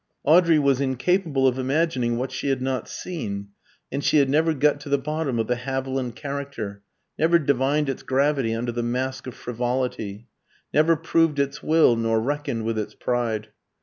Audrey was incapable of imagining what she had not seen, and she had never got to the bottom of the Haviland character; never divined its gravity under the mask of frivolity; never proved its will, nor reckoned with its pride.